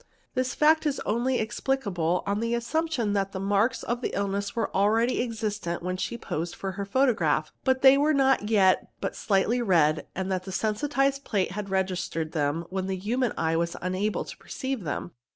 This fact is only feable on the assumption that the marks of the illness were already xxistent when she posed for her photograph but that they were as yet u : sli htly red and that the sensitized plate had registered them when e hu han eye was unable to perceive them.